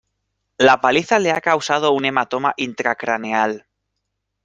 la paliza le ha causado un hematoma intracraneal.